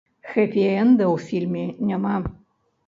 Хэпі-энда ў фільме няма.